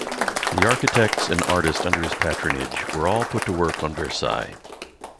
The architects and artists under his patronage were all put to work on Versailles.